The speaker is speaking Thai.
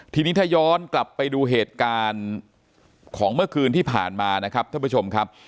ทีนี้ถ้าย้อนกลับไปดูเหตุการณ์ของเมื่อคืนที่ผ่านมานะครับท่านผู้ชมครับ